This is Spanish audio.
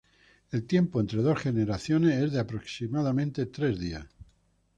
El tiempo entre dos generaciones es de aproximadamente tres días.